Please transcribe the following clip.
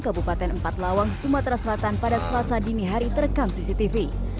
kabupaten empat lawang sumatera selatan pada selasa dini hari terekam cctv